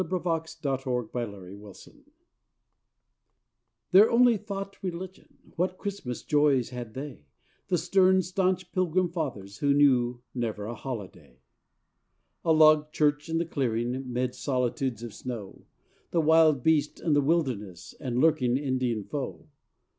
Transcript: THE PURITANS' CHRISTMAS Their only thought religion, What Christmas joys had they, The stern, staunch Pilgrim Fathers who Knew never a holiday? A log church in the clearing 'Mid solitudes of snow, The wild beast and the wilderness, And lurking Indian foe.